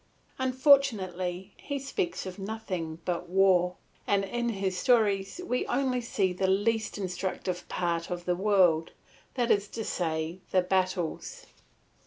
Unfortunately he speaks of nothing but war, and in his stories we only see the least instructive part of the world, that is to say the battles.